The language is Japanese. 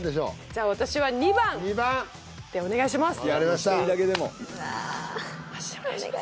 じゃ私は２番でお願いします